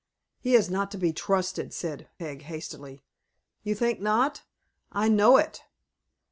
"He is not to be trusted," said Peg, hastily. "You think not?" "I know it."